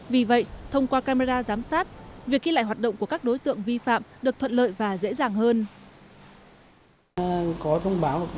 vì vậy thông qua camera giám sát việc ghi lại hoạt động của các đối tượng vi phạm được thuận lợi và dễ dàng hơn